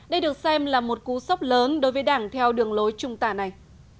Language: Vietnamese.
đây được xem là một cú sốc lớn đối với đảng theo đường lối trung tả này